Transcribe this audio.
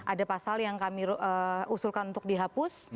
ada pasal yang kami usulkan untuk dihapus